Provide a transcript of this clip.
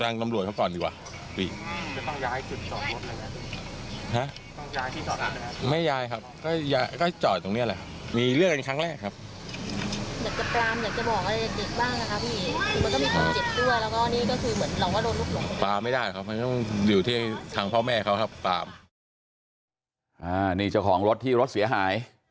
นี่เจ้าของรถที่รถเสียหาย